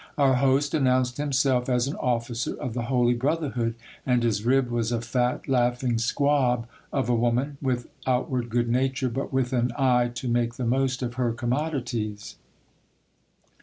Our host announced himself as an officer of the Holy Brotherhood, and his rib was a fat laughing squab of a woman, with outward good nature, but with an eye to make the most of her commodities.